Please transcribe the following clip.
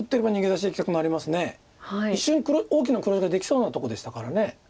一瞬大きな黒地ができそうなとこでしたから。